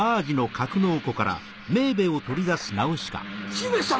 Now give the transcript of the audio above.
姫様！